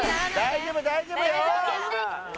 大丈夫大丈夫よ！